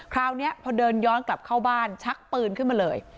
คราวนี้พอเดินย้อนกลับเข้าบ้านชักปืนขึ้นมาเลย